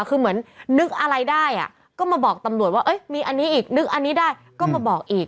คือเหมือนนึกอะไรได้ก็มาบอกตำรวจว่ามีอันนี้อีกนึกอันนี้ได้ก็มาบอกอีก